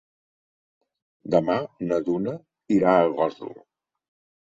Demà na Duna irà a Gósol.